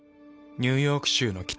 ニューヨーク州の北。